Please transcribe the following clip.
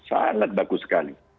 sangat bagus sekali